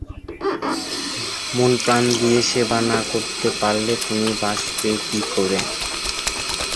মনপ্রাণ দিয়ে সেবা না করতে পারলে তুমি বাঁচবে কী করে।